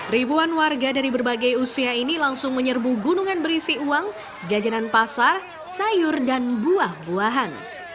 ribuan warga dari berbagai usia ini langsung menyerbu gunungan berisi uang jajanan pasar sayur dan buah buahan